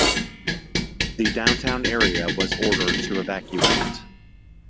The downtown area was ordered to evacuate.